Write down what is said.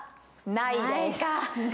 ないです。